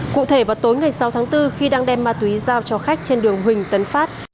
cụ thể vào tối ngày sáu tháng bốn khi đang đem ma túy giao cho khách trên đường huỳnh tấn phát